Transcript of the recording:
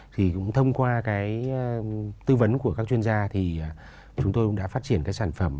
thì cũng thông qua cái tư vấn của các chuyên gia thì chúng tôi cũng đã phát triển cái sản phẩm